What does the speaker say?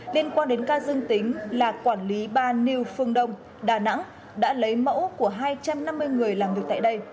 liên quan đến ca dương tính là quản lý ba new phương đông đà nẵng đã lấy mẫu của hai trăm năm mươi người làm việc tại đây